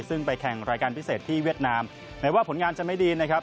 ซึ่งไปแข่งรายการพิเศษที่เวียดนามแม้ว่าผลงานจะไม่ดีนะครับ